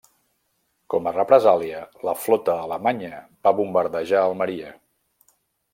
Com a represàlia, la flota alemanya va bombardejar Almeria.